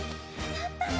やったね。